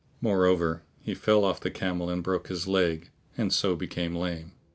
Moreover, he fell off the camel and broke his leg and so became lame.